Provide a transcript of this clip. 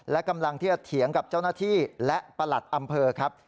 และกำลังที่จะเถียงกับเจ้าหน้าที่และประหลัดอำเภอครับ